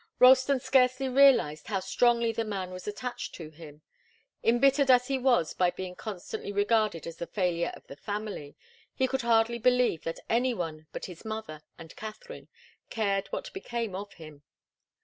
Ralston scarcely realized how strongly the man was attached to him. Embittered as he was by being constantly regarded as the failure of the family, he could hardly believe that any one but his mother and Katharine cared what became of him.